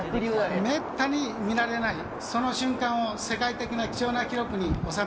めったに見られないその瞬間を世界的な貴重な記録に収めました。